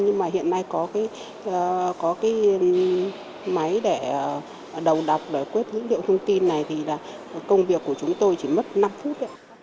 nhưng mà hiện nay có cái máy để đầu đọc để quét dữ liệu thông tin này thì là công việc của chúng tôi chỉ mất năm phút